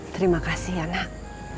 terima kasih ya nak